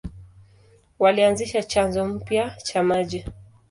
Walianzisha chanzo mpya cha maji.